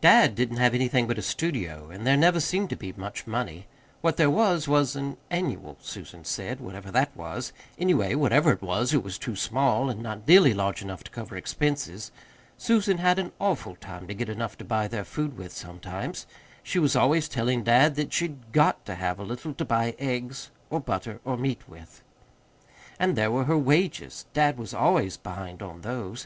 Dad didn't have anything but a studio, and there never seemed to be much money. What there was, was an "annual," Susan said, whatever that was. Anyway, whatever it was, it was too small, and not nearly large enough to cover expenses. Susan had an awful time to get enough to buy their food with sometimes. She was always telling dad that she'd GOT to have a little to buy eggs or butter or meat with. And there were her wages dad was always behind on those.